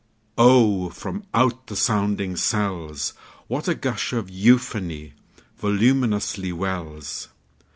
Oh, from out the sounding cells, What a gush of euphony voluminously wells!